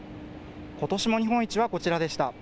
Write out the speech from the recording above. ことしも日本一はこちらでした。